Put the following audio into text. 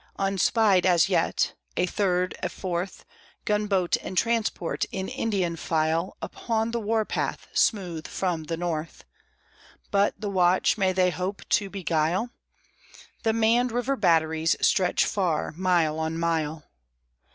Unspied as yet. A third a fourth Gunboat and transport in Indian file Upon the war path, smooth from the North; But the watch may they hope to beguile? The manned river batteries stretch far mile on mile.